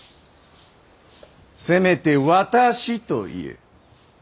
せめて私と言え。